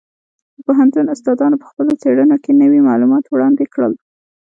د پوهنتون استادانو په خپلو څېړنو کې نوي معلومات وړاندې کړل.